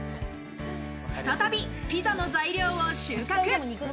再びピザの材料を収穫。